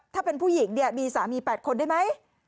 ถ้าเป็นผู้หญิงเนี่ยมีสามี๘คนได้ไหม